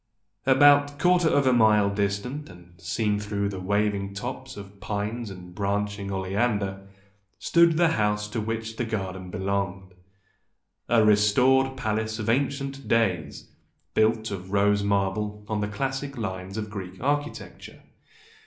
About quarter of a mile distant, and seen through the waving tops of pines and branching oleander, stood the house to which the garden belonged, a "restored" palace of ancient days, built of rose marble on the classic lines of Greek architecture.